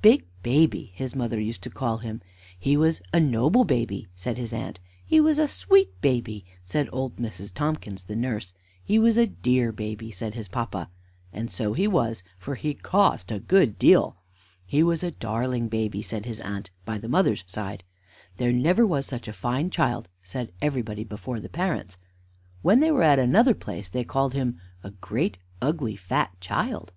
"Baby Big," his mother used to call him; he was "a noble baby," said his aunt; he was "a sweet baby," said old Mrs. Tomkins, the nurse; he was "a dear baby," said his papa and so he was, for he cost a good deal. He was "a darling baby," said his aunt, by the mother's side; "there never was such a fine child," said everybody, before the parents; when they were at another place they called him, "a great, ugly fat child."